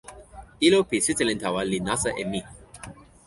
ilo pi sitelen tawa li nasa e mi.